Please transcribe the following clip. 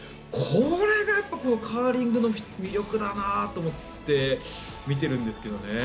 これがやっぱりカーリングの魅力だなと思って見てるんですけどね。